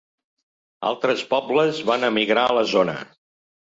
Altres pobles van emigrar a la zona.